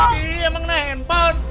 tapi emang kena handphone